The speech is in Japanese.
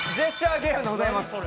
ゲームでございます。